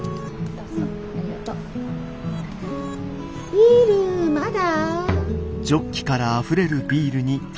ビールまだ？